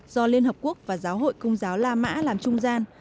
do liên hợp quốc và giáo hội công giáo la mã làm trung gian